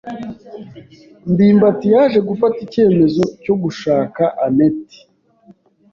ndimbati yaje gufata icyemezo cyo gushaka anet.